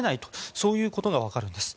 そういうことがわかるんです。